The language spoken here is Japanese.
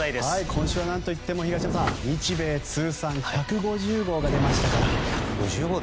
今週は何といっても日米通算１５０号が出ましたよ。